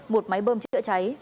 một máy bơm chữa cháy